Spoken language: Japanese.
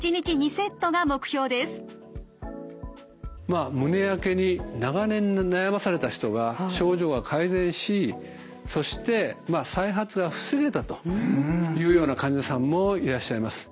まあ胸やけに長年悩まされた人が症状が改善しそして再発が防げたというような患者さんもいらっしゃいます。